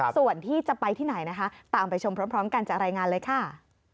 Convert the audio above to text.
ส่วนที่จะไปที่ไหนนะคะตามไปชมพร้อมกันจากรายงานเลยค่ะ